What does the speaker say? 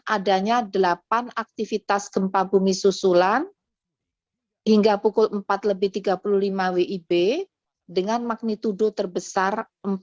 adanya delapan aktivitas gempa bumi susulan hingga pukul empat lebih tiga puluh lima wib dengan magnitudo terbesar empat